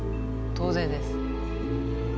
当然です。